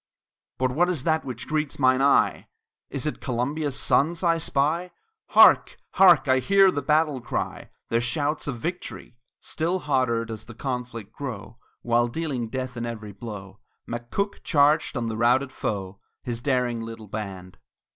But what is that which greets mine eye? Is it Columbia's sons I spy? Hark! hark! I hear their battle cry Their shouts of victory! Still hotter does the conflict grow; While dealing death in every blow, McCook charged on the routed foe His daring little band.